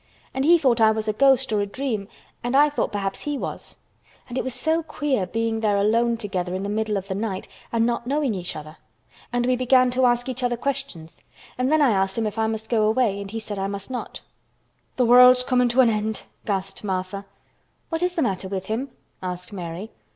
And he thought I was a ghost or a dream and I thought perhaps he was. And it was so queer being there alone together in the middle of the night and not knowing about each other. And we began to ask each other questions. And when I asked him if I must go away he said I must not." "Th' world's comin' to a end!" gasped Martha. "What is the matter with him?" asked Mary.